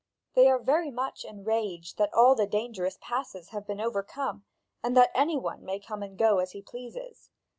They are very much enraged that all the dangerous passes have been overcome, and that any one may come and go as he pleases.